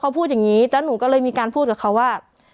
เขาพูดอย่างนี้แล้วหนูก็เลยมีการพูดกับเขาว่า